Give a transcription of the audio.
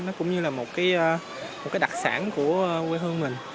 nó cũng như là một cái đặc sản của quê hương mình